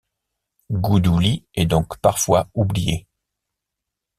Goudouli est donc parfois oublié.